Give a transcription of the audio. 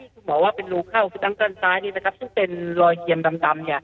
คุณหมอว่าเป็นรูเข้าทางซ้ายนี่ไหมครับซึ่งเป็นรอยเกลียมดำ